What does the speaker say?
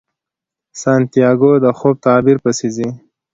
سانتیاګو د خوب تعبیر پسې ځي.